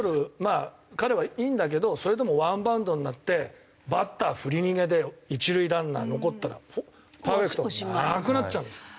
あ彼はいいんだけどそれでもワンバウンドになってバッター振り逃げで一塁ランナー残ったらパーフェクトがなくなっちゃうんですから。